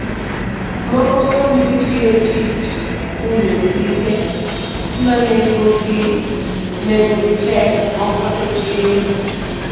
Moko kuomgi tiyo tij kunyo kite ma nengogi tek, moko to tiyo